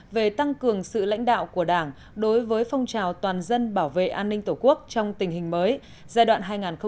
về tăng cường sự lãnh đạo của đảng đối với phong trào toàn dân bảo vệ an ninh tổ quốc trong tình hình mới giai đoạn hai nghìn một mươi bốn hai nghìn hai mươi bốn